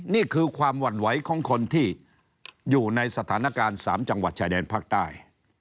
นี่คือความหวั่นไหวของคนที่อยู่ในสถานการณ์๓จังหวัดชายแดนภาคใต้